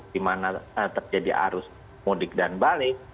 di mana terjadi arus mudik dan balik